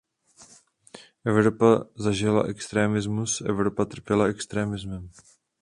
Evropa zažila extremismus, Evropa trpěla extremismem.